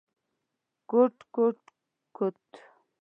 کوټ کوټ کوت…